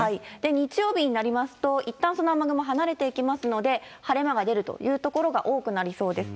日曜日になりますといったんその雨雲離れていきますので、晴れ間が出る所が多くなりそうです。